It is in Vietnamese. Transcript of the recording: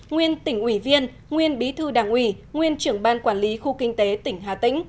nguyên tỉnh ủy viên nguyên bí thư đảng ủy nguyên trưởng ban quản lý khu kinh tế tỉnh hà tĩnh